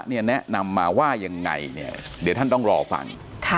พระแนะนำมาว่ายังไงเดี๋ยวท่านต้องรอฟัง